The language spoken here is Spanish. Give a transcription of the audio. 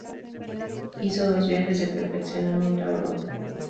Hizo dos viajes de perfeccionamiento a Europa.